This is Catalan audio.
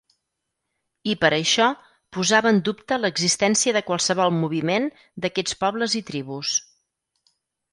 I per això, posava en dubte l'existència de qualsevol moviment d'aquests pobles i tribus.